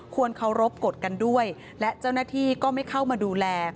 เคารพกฎกันด้วยและเจ้าหน้าที่ก็ไม่เข้ามาดูแล